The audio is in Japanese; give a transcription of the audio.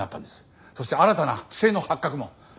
そして新たな不正の発覚も！